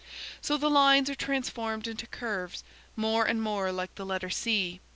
So the straight lines are transformed into curves, more and more like the letter C.